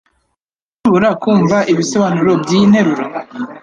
Urashobora kumva ibisobanuro byiyi nteruro?